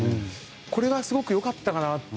これがすごく良かったかなと。